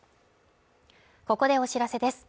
ここでお知らせです。